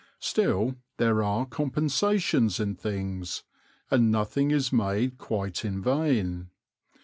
Still, there are compensations in things, and nothing is made quite in vain.